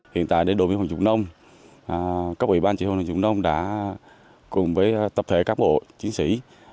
hiện tại đồn biên phòng dục nông các ủy ban chế đội dục nông đã cùng với tập thể các bộ chiến sĩ